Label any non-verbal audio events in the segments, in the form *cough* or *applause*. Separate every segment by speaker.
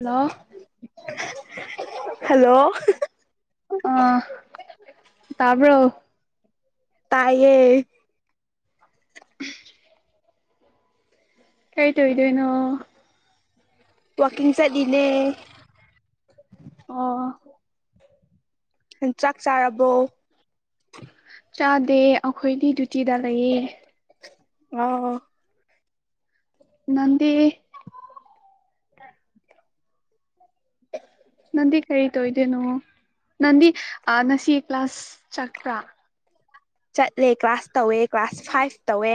Speaker 1: Hello
Speaker 2: hello
Speaker 1: ꯑꯥ ꯇꯥꯕꯔꯣ
Speaker 2: ꯇꯥꯏꯌꯦ
Speaker 1: ꯀꯩꯇꯣꯏ ꯗꯣꯏꯅꯣ
Speaker 2: ꯋꯥꯀꯤꯡ ꯆꯠꯂꯤꯅꯦ
Speaker 1: ꯑꯣ
Speaker 2: ꯍꯤꯟꯆꯥꯛ ꯆꯥꯔꯕꯣ
Speaker 1: ꯆꯥꯗꯦ ꯑꯩꯈꯣꯏꯒꯤ ꯗ꯭ꯌꯨꯇꯤꯗ ꯂꯩꯌꯦ
Speaker 2: *unintelligible*
Speaker 1: ꯅꯡꯗꯤ ꯅꯟꯗꯤ ꯀꯔꯤ ꯇꯧꯗꯣꯏꯅꯣ ꯅꯪꯗꯤ ꯑꯥ ꯉꯁꯤ ꯀ꯭ꯂꯥꯁ ꯆꯠꯄ꯭ꯔꯥ
Speaker 2: ꯆꯠꯂꯦ ꯀ꯭ꯂꯥꯁ ꯇꯧꯋꯦ ꯀ꯭ꯂꯥꯁ ꯐꯥꯏꯚ ꯇꯧꯋꯦ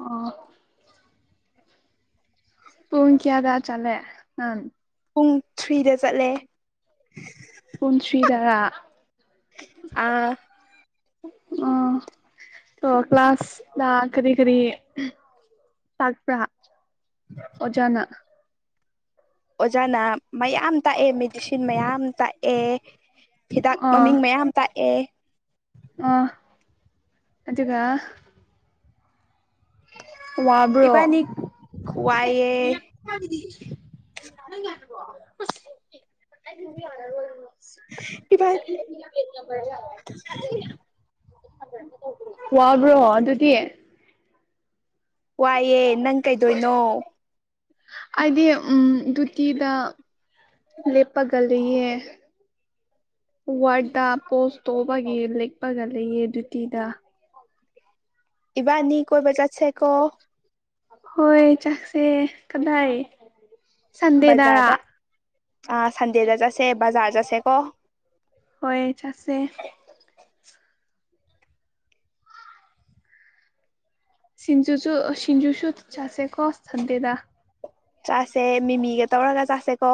Speaker 1: ꯑꯣ ꯄꯨꯡ ꯀꯌꯥꯗ ꯆꯠꯂꯦ ꯅꯪ
Speaker 2: ꯄꯨꯡ ꯊ꯭ꯔꯤꯗ ꯆꯠꯂꯦ
Speaker 1: ꯄꯨꯡ ꯊ꯭ꯔꯤꯗꯔꯥ
Speaker 2: ꯑꯥ
Speaker 1: ꯑ‌ꯣ ꯑꯣ ꯀ꯭ꯂꯥꯁꯇꯥ ꯀꯔꯤ ꯀꯔꯤ ꯇꯥꯛꯄ꯭ꯔꯥ ꯑꯣꯖꯥꯅ
Speaker 2: ꯑꯣꯖꯥꯅ ꯃꯌꯥꯝ ꯇꯥꯛꯑꯦ ꯃꯦꯗꯤꯁꯤꯟ ꯃꯌꯥꯝ ꯇꯥꯛꯑꯦ ꯍꯤꯗꯥꯛ ꯃꯃꯤꯡ ꯃꯌꯥꯝ ꯇꯥꯛꯑꯦ
Speaker 1: ꯑ‌ꯣ ꯑꯗꯨꯒ ꯋꯥꯕ꯭ꯔꯣ
Speaker 2: ꯏꯕꯥꯅꯤ ꯋꯥꯏꯑꯦ ꯏꯕꯥ
Speaker 1: *unintelligible* *unintelligible* *unintelligible* ꯋꯥꯕ꯭ꯔꯣ ꯑꯗꯨꯗꯤ
Speaker 2: ꯋꯥꯏꯑꯦ ꯅꯪ ꯀꯩꯗꯣꯏꯅꯣ
Speaker 1: ꯑꯩꯗꯤ ꯎꯝ ꯗꯨꯇꯤꯗ ꯂꯦꯞꯄꯒ ꯂꯩꯌ‌ꯦ ꯋꯥꯔꯠꯗ ꯄꯣꯁ ꯇ‌ꯣꯕꯒꯤ ꯂ‌ꯦꯛꯄꯒ ꯂꯩꯌ‌ꯦ ꯗ꯭ꯌꯨꯇꯤꯗ
Speaker 2: ꯏꯕꯥꯅꯤ ꯀꯣꯏꯕ ꯆꯥꯠꯁꯦ ꯀꯣ
Speaker 1: ꯍꯣꯏ ꯆꯥꯛꯁꯦ ꯀꯗꯥꯏ ꯁꯟꯗꯦꯗꯔꯥ
Speaker 2: ꯕꯖꯥꯔꯗ ꯑꯥ ꯁꯟꯗꯦꯗ ꯆꯠꯁꯦ ꯕꯖꯥꯔ ꯆꯠꯁꯦꯀꯣ
Speaker 1: ꯍꯣꯏ ꯆꯠꯁꯦ ꯁꯤꯡꯖꯨꯁꯨ ꯁꯤꯡꯖꯨꯁꯨ ꯆꯥꯁꯦ ꯀꯣ ꯁꯟꯗꯦꯗꯥ
Speaker 2: ꯆꯥꯁꯦ ꯃꯤꯃꯤꯒ ꯇꯧꯔꯒ ꯆꯥꯁꯦꯀꯣ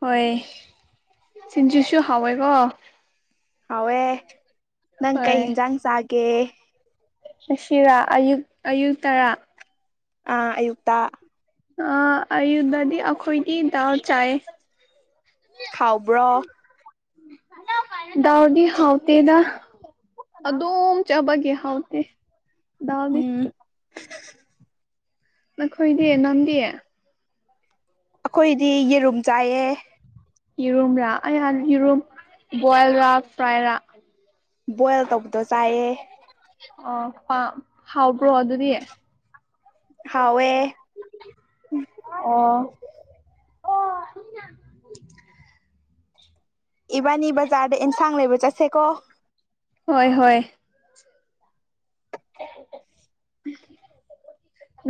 Speaker 1: ꯍꯣꯏ ꯁꯤꯡꯖꯨꯁꯨ ꯍꯥꯎꯋꯦꯀꯣ
Speaker 2: ꯍꯎꯋꯦ ꯅꯪ ꯀꯩ
Speaker 1: ꯍꯣꯏ
Speaker 2: ꯏꯟꯖꯥꯡ ꯆꯥꯒꯦ
Speaker 1: ꯉꯁꯤꯔꯥ ꯑꯌꯨꯛ ꯑꯌꯨꯛ ꯇꯔꯥ
Speaker 2: ꯑꯥ ꯑꯌꯨꯛꯇ
Speaker 1: ꯑ ꯑꯌꯨꯗꯗꯤ ꯑꯩꯈꯣꯏꯗꯤ ꯗꯥꯜ ꯆꯥꯏ
Speaker 2: ꯍꯥꯎꯕ꯭ꯔꯣ
Speaker 1: ꯗꯥꯜꯗꯤ ꯍꯥꯎꯇ‌ꯦꯗ ꯑꯗꯨꯝ ꯆꯥꯕꯒꯤ ꯍꯥꯎꯇꯦ ꯗꯥꯜꯗꯤ
Speaker 2: ꯎꯝ
Speaker 1: ꯅꯈꯣꯏꯗꯦ ꯅꯟꯗꯤ
Speaker 2: ꯑꯈꯣꯏꯗꯤ ꯌꯦꯔꯨꯝ ꯆꯥꯏꯌꯦ
Speaker 1: ꯌꯦꯔꯨꯝꯔꯥ ꯑꯩꯌꯥ ꯌꯦꯔꯨꯝ ꯕꯣꯏꯜꯔꯥ ꯐ꯭ꯔꯥꯏꯔꯥ
Speaker 2: ꯕꯣꯏꯜ ꯇꯧꯕꯗꯣ ꯆꯥꯏꯌꯦ
Speaker 1: ꯑꯣ ꯑꯥ ꯍꯥꯎꯕ꯭ꯔꯣ ꯑꯗꯨꯗꯤ
Speaker 2: ꯍꯥꯎꯋꯦ
Speaker 1: ꯑꯣ
Speaker 2: ꯏꯕꯥꯅꯤ ꯕꯖꯥꯔꯗ ꯑꯦꯟꯁꯥꯡ ꯂꯩꯕ ꯆꯠꯁꯦꯀꯣ
Speaker 1: ꯍꯣꯏ ꯍꯣꯏ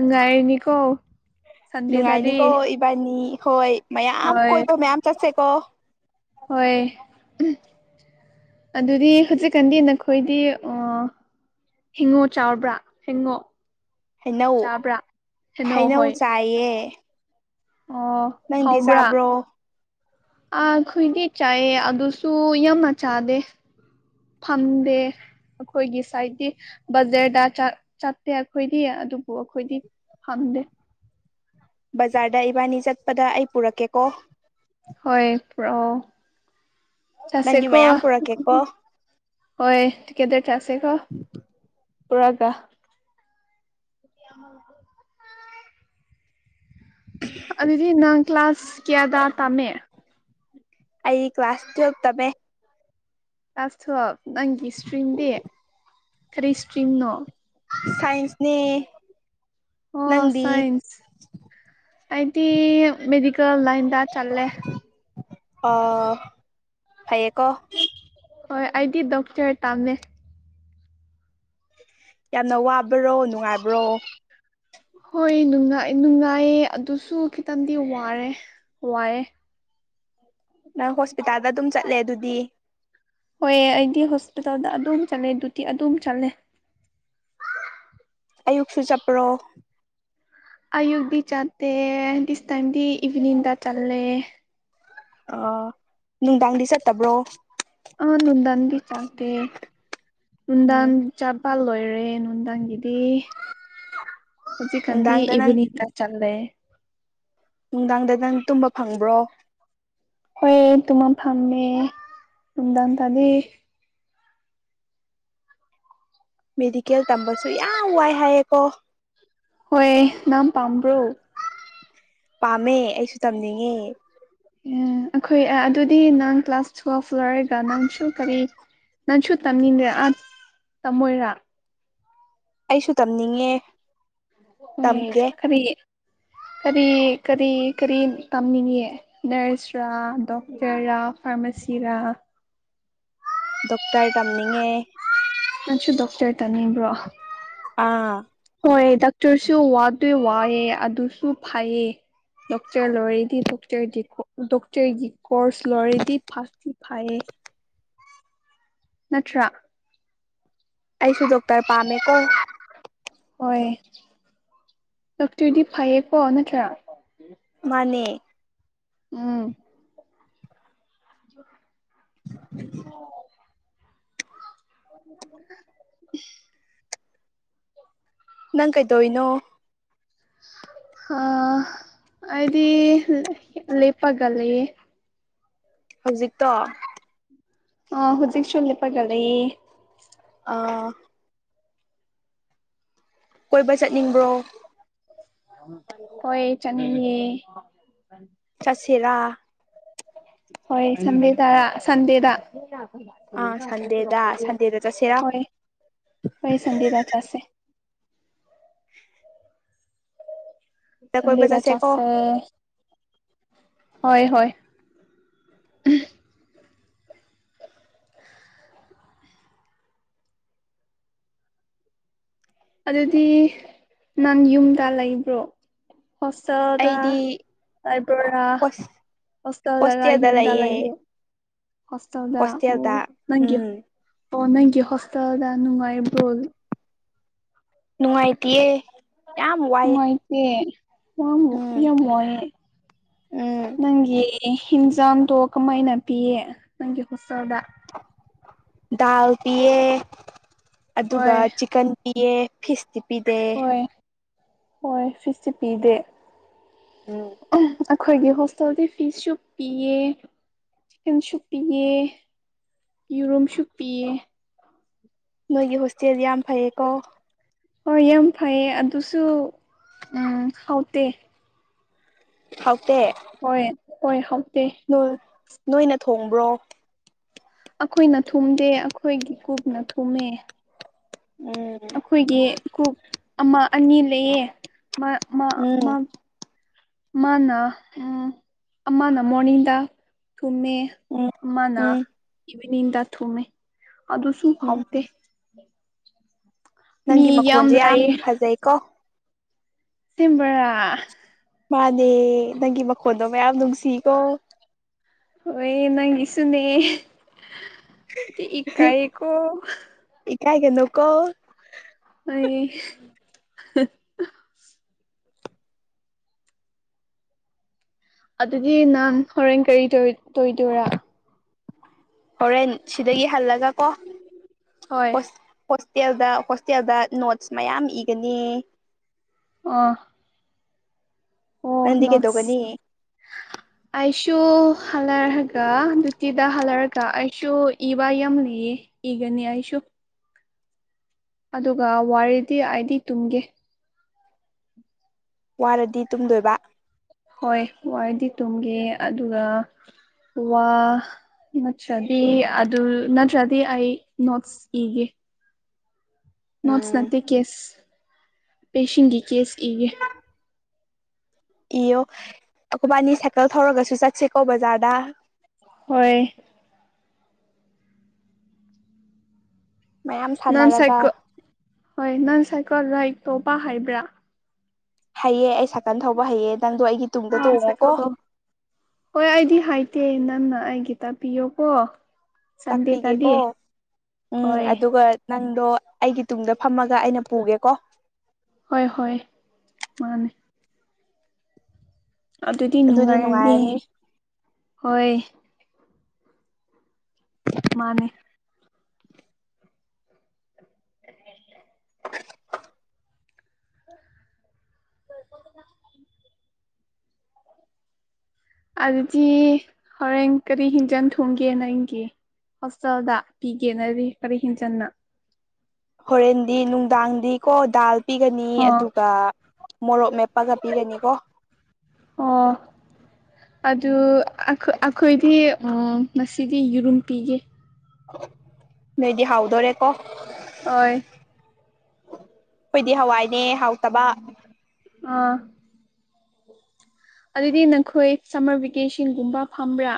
Speaker 1: ꯉꯥꯏꯔꯤꯅꯤꯀꯣ
Speaker 2: ꯅꯨꯡꯉꯥꯏꯅꯤꯀꯣ ꯏꯕꯥꯅꯤ ꯍꯣꯏ ꯃꯌꯥꯝ
Speaker 1: ꯍꯣꯏ
Speaker 2: ꯀꯣꯏꯕ ꯃꯌꯥꯝ ꯆꯠꯁꯦꯀꯣ
Speaker 1: ꯍꯣꯏ ꯎꯞ ꯑꯗꯨꯗꯤ ꯍꯧꯖꯤꯛꯀꯥꯟꯗꯤ ꯅꯈꯣꯏꯗꯤ ꯑꯥ ꯍꯤꯡꯉꯣ ꯆꯥꯎꯔꯕ꯭ꯔꯥ ꯍꯤꯡꯉꯣ
Speaker 2: ꯍꯩꯅꯧ
Speaker 1: ꯆꯥꯕ꯭ꯔꯥ
Speaker 2: ꯍꯩꯅꯧ ꯆꯥꯏꯌꯦ
Speaker 1: ꯑꯣ
Speaker 2: ꯅꯪꯗꯤ
Speaker 1: ꯍꯥꯎꯕ꯭ꯔꯥ
Speaker 2: ꯆꯥꯕ꯭ꯔꯣ
Speaker 1: ꯑꯥ ꯈꯣꯏꯗꯤ ꯆꯥꯏꯌꯦ ꯑꯗꯨꯁꯨ ꯌꯥꯝꯅ ꯆꯥꯗꯦ ꯐꯝꯗꯦ ꯑꯩꯈꯣꯏꯒꯤ ꯁꯥꯏꯠꯇꯗꯤ ꯕꯖꯔꯗ ꯆꯠꯇꯦ ꯑꯩꯈꯣꯏꯗꯤ ꯑꯗꯨꯕꯨ ꯑꯩꯈꯣꯏꯗꯤ ꯐꯟꯗꯦ
Speaker 2: ꯕꯖꯥꯔꯗ ꯏꯕꯥꯅꯤ ꯆꯠꯄꯗ ꯑꯩ ꯄꯨꯔꯛꯀꯦꯀꯣ
Speaker 1: ꯍꯣꯏ ꯄꯨꯔꯛꯑꯣ ꯆꯠꯁꯦ
Speaker 2: ꯅꯪꯒꯤ
Speaker 1: ꯀꯣ
Speaker 2: ꯃꯌꯥꯝ ꯄꯨꯔꯛꯀꯦꯀꯣ
Speaker 1: ꯍꯣꯏ ꯇꯀꯦꯠ ꯇ꯭ꯔꯁꯤꯀꯣ ꯄꯨꯔꯥꯒꯥ ꯌꯥꯝ ꯑꯗꯨꯗꯤ ꯅꯪ ꯀ꯭ꯂꯥꯁ ꯀꯌꯥꯗ ꯇꯝꯃꯦ
Speaker 2: ꯑꯩ ꯀ꯭ꯂꯥꯁ ꯇꯨꯋꯌꯦꯜꯕ ꯇꯝꯃꯦ
Speaker 1: ꯑꯁ ꯊꯣ ꯅꯪꯒꯤ ꯏꯁꯇ꯭ꯔꯤꯝꯗꯤ ꯀꯔꯤ ꯏꯁꯇ꯭ꯔꯤꯝꯅꯣ
Speaker 2: ꯁꯥꯏꯟꯁꯅꯤ
Speaker 1: ꯑꯣ ꯁꯥꯏꯟꯁ ꯑꯩꯗꯤ ꯃꯦꯗꯤꯀꯦꯜ ꯂꯥꯏꯟꯗ ꯆꯠꯂꯦ
Speaker 2: ꯑꯥ ꯍꯥꯏꯌꯦꯀꯣ
Speaker 1: ꯍꯣꯏ ꯑꯩꯗꯤ ꯗꯣꯛꯇꯔ ꯇꯥꯝꯃꯦ
Speaker 2: ꯌꯥꯝꯅ ꯋꯥꯕꯔꯣ ꯅꯨꯡꯉꯥꯏꯕ꯭ꯔꯣ
Speaker 1: ꯍꯣꯏ ꯅꯨꯡꯉꯥꯏ ꯅꯨꯡꯉꯥꯏꯌꯦ ꯑꯗꯨꯁꯨ ꯈꯤꯇꯪꯗꯤ ꯋꯥꯔꯦ ꯋꯥꯑꯦ
Speaker 2: ꯅꯪ ꯍꯣꯁꯄꯤꯇꯥꯜꯗ ꯑꯗꯨꯝ ꯆꯠꯂꯦ ꯑꯗꯨꯗꯤ
Speaker 1: ꯍꯣꯏ ꯑꯩꯗꯤ ꯍꯣꯁꯄꯤꯇꯥꯜꯗ ꯑꯗꯨꯝ ꯆꯠꯂꯦ ꯗꯨꯇꯤ ꯑꯗꯨꯝ ꯆꯠꯂꯦ
Speaker 2: ꯑꯌꯨꯛꯁꯨ ꯆꯠꯄ꯭ꯔꯣ
Speaker 1: ꯑꯌꯨꯛꯗꯤ ꯆꯠꯇꯦ ꯗꯤꯁ ꯇꯥꯏꯝꯗꯤ ꯏꯚꯅꯤꯡꯗ ꯆꯠꯂꯦ
Speaker 2: ꯑꯣ
Speaker 1: ꯑꯥ ꯅꯨꯡꯗꯥꯟꯗꯤ ꯆꯥꯛꯇꯦ
Speaker 2: ꯎꯝ
Speaker 1: ꯅꯨꯡꯗꯥꯥꯟ ꯆꯥꯄꯜ ꯂꯣꯏꯔꯦ ꯅꯨꯡꯗꯥꯡꯒꯤꯗꯤ ꯍꯧꯖꯤ ꯀꯟꯗꯤ
Speaker 2: ꯅꯨꯡꯗꯥꯡꯗ ꯅꯪ
Speaker 1: ꯏꯕꯅꯤ ꯏꯇ ꯆꯠꯂꯦ
Speaker 2: ꯅꯨꯡꯗꯥꯡꯗ ꯅꯪ ꯇꯨꯝꯕ ꯐꯪꯕ꯭ꯔꯣ
Speaker 1: ꯍꯣꯏ ꯇꯨꯝꯃ ꯐꯝꯃꯦ ꯅꯨꯡꯗꯥꯡ ꯇꯗꯤ
Speaker 2: ꯃꯦꯗꯤꯀꯦꯜ ꯇꯝꯕꯁꯨ ꯌꯥꯝ ꯋꯥꯏ ꯍꯥꯏꯌꯦꯀꯣ
Speaker 1: ꯍꯣꯏ ꯅꯥꯝ ꯄꯥꯝꯕ꯭ꯔꯣ
Speaker 2: ꯄꯥꯝꯃꯦ ꯑꯩꯁꯨ ꯇꯝꯅꯤꯡꯉꯦ
Speaker 1: ꯎꯝ ꯑꯩꯈꯣꯏ ꯑꯥ ꯑꯗꯨꯗꯤ ꯅꯪ ꯀ꯭ꯂꯥꯁ ꯇꯨꯌꯦꯜꯐ ꯂꯣꯏꯔꯒ ꯅꯪꯁꯨ ꯀꯔꯤ ꯅꯪꯁꯨ ꯇꯝꯅꯤꯡꯕ꯭ꯔ ꯑꯥ ꯇꯝꯃꯣꯏꯔꯥ
Speaker 2: ꯑꯩꯁꯨ ꯇꯝꯅꯤꯡꯂꯦ
Speaker 1: ꯀꯔꯤ ꯀꯔꯤ ꯀꯔꯤ ꯀꯔꯤ ꯇꯝꯅꯤꯡꯉꯌꯦ ꯅꯔꯁꯔ ꯗꯣꯛꯇꯔꯥ ꯐꯥꯔꯃꯥꯁꯤꯔ
Speaker 2: ꯗꯣꯛꯇꯔ ꯇꯝꯅꯤꯡꯉꯦ
Speaker 1: ꯅꯁꯨ ꯗꯣꯛꯇꯔ ꯇꯥꯅꯦꯕ꯭ꯔꯣ
Speaker 2: ꯑꯥ
Speaker 1: ꯍꯣꯏ ꯗꯥꯛꯇꯔꯁꯨ ꯋꯥꯗꯣꯏ ꯋꯥꯑꯦ ꯑꯗꯨꯁꯨ ꯐꯩꯌꯦ ꯗꯣꯛꯇꯔ ꯂꯣꯏꯔꯗꯤ ꯗꯣꯛꯇꯗꯤꯀꯣ ꯗꯣꯛꯇꯔꯒꯤ ꯀꯣꯔꯁ ꯂꯣꯏꯔꯗꯤ ꯐꯥꯁꯇꯤ ꯐꯥꯏꯌꯦ ꯅꯠꯇ꯭ꯔꯥ
Speaker 2: ꯑꯩꯁꯨ ꯗꯣꯛꯇꯔ ꯄꯥꯝꯃꯦꯀꯣ
Speaker 1: ꯍꯣꯏ ꯗꯣꯛꯇꯔꯗꯤ ꯐꯩꯌꯦꯀꯣ ꯅꯠꯇ꯭ꯔꯥ
Speaker 2: ꯃꯥꯅꯦ
Speaker 1: ꯎꯝ ꯑꯣ *inaudible*
Speaker 2: ꯅꯪ ꯀꯩꯗꯧ ꯏꯅꯣ
Speaker 1: ꯍꯥ ꯑꯩꯗꯤ ꯂꯦꯄꯄꯒ ꯂꯩꯌꯦ
Speaker 2: ꯍꯧꯖꯤꯛꯇꯣ
Speaker 1: ꯑ ꯍꯧꯖꯤꯛꯁꯨ ꯂꯦꯄꯒ ꯂꯩꯌꯦ
Speaker 2: ꯑꯥ ꯀꯣꯏꯕ ꯆꯠꯅꯤꯡꯕ꯭ꯔꯣ
Speaker 1: ꯍꯣꯏ ꯆꯅꯤꯡꯉꯦ
Speaker 2: ꯆꯁꯤꯔꯥ
Speaker 1: ꯍꯣꯏ ꯁꯕꯦꯗꯔꯥ ꯁꯟꯗꯦꯗ
Speaker 2: ꯑꯥ ꯁꯟꯗꯦꯗ ꯁꯟꯗꯦꯗ ꯆꯠꯁꯤꯔꯥ
Speaker 1: ꯍꯣꯏ ꯍꯣꯏ ꯁꯟꯗꯤꯗ ꯆꯁꯦ
Speaker 2: ꯀꯣꯏꯕ
Speaker 1: ꯁꯟꯗꯤꯗ
Speaker 2: ꯆꯠꯁꯦꯀꯣ
Speaker 1: ꯆꯥꯁꯜ ꯍꯣꯏ ꯍꯣꯏ ꯎꯝ ꯑꯗꯨꯗꯤ ꯅꯪ ꯌꯨꯝꯗ ꯂꯩꯕ꯭ꯔꯣ ꯍꯣꯁꯇꯦꯜꯗ
Speaker 2: ꯑꯩꯗꯤ
Speaker 1: ꯂꯩꯕꯣꯔ
Speaker 2: ꯍꯣꯁ
Speaker 1: ꯍꯣꯁꯇꯦꯜꯗꯔ
Speaker 2: ꯍꯣꯁꯇꯦꯜꯗ
Speaker 1: ꯌꯨꯝꯗꯥ ꯂꯩꯕ꯭ꯔꯣ
Speaker 2: ꯂꯩꯌꯦ
Speaker 1: ꯍꯣꯁꯇꯦꯜꯗ ꯎꯝ ꯅꯪꯒꯤ ꯑꯣ ꯅꯪꯒꯤ ꯍꯣꯁꯇꯦꯜꯗ ꯅꯨꯡꯉꯥꯏꯕ꯭ꯔꯣ
Speaker 2: ꯅꯨꯡꯉꯥꯏꯇꯤꯌꯦ ꯌꯥꯝ ꯋꯥꯏꯑꯦ
Speaker 1: ꯑꯦ ꯌꯥꯝ
Speaker 2: ꯎꯝ
Speaker 1: ꯌꯥꯝꯃꯣꯏꯌꯦ
Speaker 2: ꯎꯝ
Speaker 1: ꯅꯪꯒꯤ ꯑꯦ ꯍꯤꯟꯖꯥꯝꯗꯣ ꯀꯃꯥꯏꯅ ꯄꯤꯌꯦ ꯅꯪꯒꯤ ꯍꯣꯁꯇꯦꯜꯗ
Speaker 2: ꯗꯥꯜ ꯄꯤꯌꯦ ꯑꯗꯨꯒ
Speaker 1: ꯍꯣꯏ
Speaker 2: ꯆꯤꯛꯀꯟ ꯄꯤꯌꯦ ꯐꯤꯁꯇꯤ ꯄꯤꯗꯦ
Speaker 1: ꯍꯣꯏ ꯍꯣꯏ ꯐꯤꯁꯇꯤ ꯄꯤꯗꯦ
Speaker 2: ꯎꯝ
Speaker 1: ꯑꯩꯈꯣꯏꯒꯤ ꯍꯣꯁ ꯇꯣꯗꯤ ꯐꯤꯁꯁꯨ ꯄꯤꯌꯦ ꯆꯤꯛꯀꯟꯁꯨ ꯄꯤꯌꯦ ꯌꯤꯔꯨꯝꯁꯨ ꯄꯤꯌꯦ
Speaker 2: ꯅꯣꯏꯒꯤ ꯍꯣꯁꯇꯦꯜ ꯗꯤ ꯌꯥꯝ ꯐꯩꯌꯦꯀꯣ
Speaker 1: ꯍꯣꯏ ꯌꯥꯝ ꯐꯩꯌꯦ ꯑꯗꯨꯁꯨ ꯎꯝ ꯍꯥꯎꯇꯦ
Speaker 2: ꯍꯥꯎꯇꯦ
Speaker 1: ꯍꯣꯏ ꯍꯣꯏ ꯍꯧꯇꯦ
Speaker 2: ꯍꯣꯏ ꯅꯣꯏꯅ ꯊꯣꯡꯕ꯭ꯔꯣ
Speaker 1: ꯑꯈꯣꯏꯅ ꯊꯨꯝꯗꯦ ꯑꯈꯣꯏꯒꯤ ꯀꯣꯛꯅ ꯊꯨꯝꯃꯦ
Speaker 2: ꯎꯝ
Speaker 1: ꯑꯈꯣꯏꯒꯤ ꯀꯨꯛ ꯑꯃ ꯑꯅꯤ ꯂꯩꯌꯦ ꯃꯥ ꯃꯥ ꯃꯥ
Speaker 2: ꯎꯝ
Speaker 1: ꯃꯥꯅ ꯎꯝ ꯃꯥꯅ ꯃꯣꯔꯅꯤꯡꯗ ꯊꯨꯝꯃꯦ
Speaker 2: ꯎꯝ
Speaker 1: ꯑꯃꯅ
Speaker 2: ꯎꯝ
Speaker 1: ꯏꯚꯤꯅꯤꯡꯗ ꯊꯨꯝꯃꯦ ꯑꯗꯨꯁꯨ
Speaker 2: ꯎꯝ
Speaker 1: ꯐꯥꯎꯇꯦ
Speaker 2: ꯅꯪꯒꯤ ꯃꯈꯣꯟꯖꯦ ꯌꯥꯝ ꯐꯖꯩ ꯀꯣ
Speaker 1: ꯇꯤꯝꯕꯔꯥ
Speaker 2: ꯃꯥꯅꯦ ꯅꯪꯒꯤ ꯃꯈꯣꯟꯗꯣ ꯃꯌꯥꯝ ꯅꯨꯡꯁꯤꯀꯣ
Speaker 1: ꯍꯣꯏ ꯅꯪꯒꯤꯁꯨꯅꯦ ꯗꯤ ꯏꯀꯥꯏꯌꯦꯀꯣ
Speaker 2: ꯏꯀꯥꯏꯒꯅꯣꯀꯣ
Speaker 1: ꯑꯩꯒꯤ ꯑꯗꯨꯗꯤ ꯅꯪ ꯍꯣꯔꯦꯟ ꯀꯔꯤ ꯇꯣꯏ ꯇꯣꯏꯗꯣꯏꯔꯥ
Speaker 2: ꯍꯣꯔꯦꯟ ꯁꯤꯗꯒꯤ ꯍꯜꯂꯒ ꯀꯣ
Speaker 1: ꯍꯣꯏ
Speaker 2: ꯑꯣꯁ ꯍꯣꯁꯇꯦꯜꯗ ꯍꯣꯁꯇꯦꯜꯗ ꯅꯣꯠꯁ ꯃꯌꯥꯝ ꯏꯒꯅꯤ
Speaker 1: ꯑꯝ ꯑꯣ
Speaker 2: ꯅꯪꯗꯤ
Speaker 1: ꯅꯣꯠꯁ
Speaker 2: ꯀꯩꯗꯧꯒꯅꯤ
Speaker 1: ꯑꯩꯁꯨ ꯍꯜꯂꯔꯒ *unintelligible* ꯍꯜꯂꯔꯒ ꯑꯩꯁꯨ ꯏꯕ ꯌꯥꯎꯅꯤ ꯏꯒꯅꯤ ꯑꯩꯁꯨ ꯑꯗꯨꯒ ꯋꯥꯔꯤꯗꯤ ꯑꯩꯗꯤ ꯇꯨꯝꯒꯦ
Speaker 2: ꯋꯥꯔꯗꯤ ꯇꯨꯝꯗꯣꯏꯕ
Speaker 1: ꯍꯣꯏ ꯋꯥꯔꯗꯤ ꯇꯨꯝꯒꯦ ꯑꯗꯨꯒ ꯋꯥ ꯅꯠꯇ꯭ꯔꯗꯤ ꯑꯗꯨ ꯅꯠꯇ꯭ꯔꯗꯤ ꯑꯩ ꯅꯣꯠꯁ ꯏꯒꯦ ꯅꯣꯠꯁ
Speaker 2: ꯎꯝ
Speaker 1: ꯅꯠꯇꯦ ꯀꯦꯁ ꯄꯦꯁꯦꯟꯒꯤ ꯀꯦꯁ ꯏꯒꯦ
Speaker 2: ꯏꯌꯣ ꯑꯩꯈꯣꯏꯕꯥꯅꯤ ꯁꯥꯏꯀꯜ ꯊꯧꯔꯒꯁꯨ ꯆꯠꯁꯤꯀꯣ ꯕꯖꯥꯔꯗ
Speaker 1: ꯍꯣꯏ
Speaker 2: ꯃꯌꯥꯝ
Speaker 1: ꯅꯪ
Speaker 2: ꯁꯥꯟꯅꯔꯒ
Speaker 1: ꯁꯥꯏꯀꯜ ꯍꯣꯏ ꯅꯪ ꯁꯥꯏꯀꯜ ꯔꯥꯏꯠ ꯇꯧꯕ ꯍꯩꯕ꯭ꯔ
Speaker 2: ꯍꯩꯌꯦ ꯑꯩ ꯁꯥꯏꯀꯜ ꯊꯧꯕ ꯍꯩꯌꯦ ꯅꯪꯗꯣ ꯑꯩꯒꯤ ꯇꯨꯡꯗ ꯇꯣꯡꯉꯣꯀꯣ
Speaker 1: *unintelligible* ꯍꯣꯏ ꯑꯩꯗꯤ ꯍꯥꯏꯇꯦ ꯅꯪꯅ ꯑꯩꯒꯤ ꯇꯥꯛꯄꯤꯌꯣꯀꯣ ꯁꯟꯗꯦꯗꯗꯤ
Speaker 2: ꯇꯥꯛꯄꯤꯒꯦꯀꯣ ꯎꯝ
Speaker 1: ꯍꯣꯏ
Speaker 2: ꯑꯗꯨꯒ ꯅꯪꯗꯣ ꯑꯩꯒꯤ ꯇꯨꯡꯗ ꯐꯝꯃꯒ ꯑꯩꯅ ꯄꯨꯒꯦꯀꯣ
Speaker 1: ꯍꯣꯏ ꯍꯣꯏ ꯃꯥꯅꯤ ꯑꯗꯨꯗꯤ ꯅꯨꯡꯉꯥꯏꯔꯅꯤ ꯍꯣꯏ ꯃꯥꯅꯤ *unintelligible* l *inaudible* ꯑꯗꯨꯗꯤ ꯍꯣꯔꯦꯟ ꯀꯔꯤ ꯍꯦꯟꯖꯟ ꯊꯣꯡꯒꯦ ꯅꯪꯒꯤ ꯍꯣꯁꯇꯦꯜꯗ ꯄꯤꯒꯦ ꯅꯔꯤ ꯀꯔꯤ ꯍꯤꯡꯖꯥꯡꯅꯣ
Speaker 2: ꯍꯣꯔꯦꯟꯗꯤ ꯅꯨꯡꯗꯥꯡꯗꯤ ꯀꯣ ꯗꯥꯜ ꯄꯤꯒꯅꯤ
Speaker 1: ꯑꯣ
Speaker 2: ꯑꯗꯨꯒ ꯃꯣꯔꯣꯛ ꯃꯦꯠꯄꯒ ꯄꯤꯒꯅꯤ ꯀꯣ
Speaker 1: ꯑꯣ ꯑꯗꯨ ꯑꯩꯈꯣꯏꯗꯤ ꯉꯁꯤꯗꯤ ꯌꯦꯔꯨꯝ ꯄꯤꯒꯦ
Speaker 2: ꯅꯣꯏꯗꯤ ꯍꯥꯎꯗꯣꯔꯦꯀꯣ
Speaker 1: ꯍꯣꯏ
Speaker 2: ꯑꯩꯈꯣꯏꯗꯤ ꯍꯋꯥꯏꯅꯦ ꯍꯥꯎꯇꯕ
Speaker 1: ꯑꯥ ꯑꯗꯨꯗꯤ ꯅꯈꯣꯏ ꯁꯝꯃꯔ ꯚꯦꯀꯦꯁꯟꯒꯨꯝꯕ ꯐꯝꯕ꯭ꯔꯥ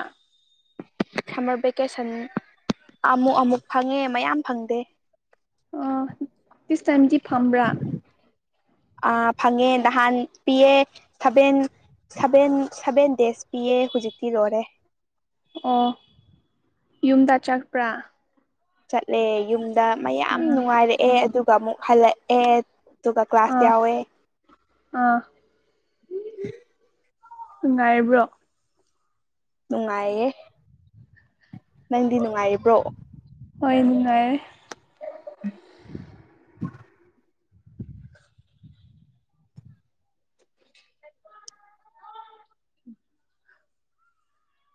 Speaker 2: ꯁꯝꯃꯔ ꯚꯦꯀꯦꯁꯟ ꯑꯃꯨꯛ ꯑꯃꯨꯛ ꯐꯪꯉꯦ ꯃꯌꯥꯝ ꯐꯪꯗꯦ
Speaker 1: ꯑꯣ ꯇꯤꯁ ꯇꯥꯏꯝꯗꯤ ꯐꯝꯕ꯭ꯔꯥ
Speaker 2: ꯑ ꯐꯪꯉꯦ ꯅꯍꯥꯟ ꯄꯤꯌꯦ ꯁꯚꯦꯟ ꯁꯚꯦꯟ ꯁꯚꯦꯟ ꯗꯦꯖ ꯄꯤꯌꯦ ꯍꯧꯖꯤꯛꯇꯤ ꯂꯣꯏꯔꯦ
Speaker 1: ꯑꯣ ꯌꯨꯝꯗ ꯆꯠꯄ꯭ꯔ
Speaker 2: ꯆꯠꯂꯦ ꯌꯨꯝꯗ ꯃꯌꯥꯝ
Speaker 1: ꯎꯝ
Speaker 2: ꯅꯨꯡꯉꯥꯏꯔꯛꯑꯦ ꯑꯗꯨꯒ ꯑꯃꯨꯛ ꯍꯜꯂꯛꯑꯦ ꯑꯗꯨꯒ ꯀ꯭ꯂꯥꯁ
Speaker 1: ꯑꯥ
Speaker 2: ꯌꯥꯎꯋꯦ
Speaker 1: ꯑꯥ
Speaker 2: *inaudible*
Speaker 1: ꯅꯨꯡꯉꯥꯏꯔꯤꯕ꯭ꯔꯣ
Speaker 2: ꯅꯨꯡꯉꯥꯏꯌꯦ ꯅꯪꯗꯤ ꯅꯨꯡꯉꯥꯏꯔꯤꯕ꯭ꯔꯣ꯫
Speaker 1: ꯍꯣꯏ ꯅꯨꯡꯉꯥꯏꯌꯦ꯫
Speaker 2: *inaudible*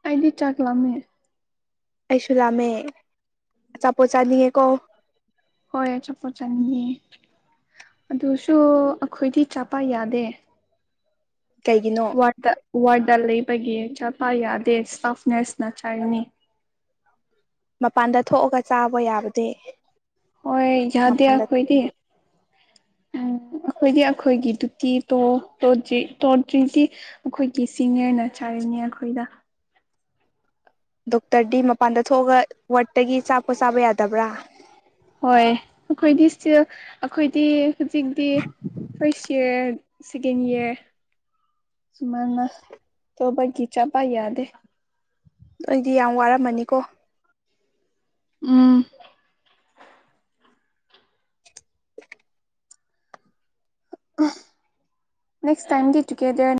Speaker 1: ꯑꯩꯗꯤ ꯆꯥꯛ ꯂꯥꯝꯃꯦ꯫
Speaker 2: ꯑꯩꯁꯨ ꯂꯥꯝꯃꯦ ꯑꯆꯥꯄꯣꯠ ꯆꯥꯅꯤꯡꯉꯦꯀꯣ꯫
Speaker 1: ꯍꯣꯏ ꯑꯆꯥꯄꯣꯠ ꯆꯥꯅꯤꯡꯉꯦ꯫ ꯑꯗꯨꯁꯨ ꯑꯩꯈꯣꯏꯗꯤ ꯆꯥꯄ ꯌꯥꯗꯦ꯫
Speaker 2: ꯀꯩꯒꯤꯅꯣ꯫
Speaker 1: ꯋꯥꯔꯠꯇ ꯋꯥꯔꯠꯗ ꯂꯩꯕꯒꯤ ꯆꯥꯄ ꯌꯥꯗꯦ ꯏꯁꯇꯥꯐ ꯅ꯭ꯔꯁꯅ ꯆꯩꯒꯅꯤ꯫
Speaker 2: ꯃꯄꯥꯟꯗ ꯊꯣꯛꯑꯒ ꯆꯥꯕ ꯌꯥꯕꯗꯤ꯫
Speaker 1: ꯍꯣꯏ ꯌꯥꯗꯦ
Speaker 2: ꯃꯄꯥꯟꯗ
Speaker 1: ꯑꯩꯈꯣꯏꯗꯤ꯫ ꯎꯝ ꯑꯩꯈꯣꯏꯗꯤ ꯑꯩꯈꯣꯏꯒꯤ ꯗꯨꯇꯤ ꯇꯣ ꯇꯣꯗ꯭ꯔꯤ ꯇꯣꯗ꯭ꯔꯤꯗꯤ ꯑꯩꯈꯣꯏꯒꯤ ꯁꯤꯅꯤꯌꯔꯅ ꯆꯩꯔꯅꯤ ꯑꯩꯈꯣꯏꯗ꯫
Speaker 2: ꯗꯣꯛꯇꯔꯗꯤ ꯃꯄꯥꯟꯗ ꯊꯣꯛꯑꯒ ꯋꯥꯔꯠꯇꯒꯤ ꯆꯥꯄꯣꯠ ꯆꯥꯕ ꯌꯥꯗꯕ꯭ꯔꯥ꯫
Speaker 1: ꯍꯣꯏ ꯑꯩꯈꯣꯏꯗꯤ ꯏꯁꯇꯤꯜ ꯑꯩꯈꯣꯏꯗꯤ ꯍꯧꯖꯤꯛꯇꯤ *unintelligible* ꯏꯌꯔ ꯁꯤꯀꯦꯟ ꯏꯌꯔ ꯁꯨꯃꯥꯏꯅ ꯇꯧꯕꯒꯤ ꯆꯥꯕ ꯌꯥꯗꯦ꯫
Speaker 2: ꯅꯣꯏꯗꯤ ꯌꯥꯝ ꯋꯥꯔꯝꯃꯅꯤꯀꯣ꯫
Speaker 1: ꯎꯝ꯫
Speaker 2: *inaudible*
Speaker 1: ꯑ ꯅꯦꯛꯁ ꯇꯥꯏꯝꯗꯤ ꯇꯨꯒꯦꯗꯔ